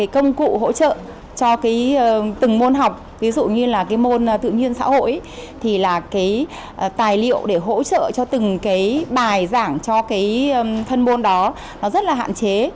công cụ hỗ trợ cho từng môn học ví dụ như môn tự nhiên xã hội tài liệu để hỗ trợ cho từng bài giảng cho thân môn đó rất hạn chế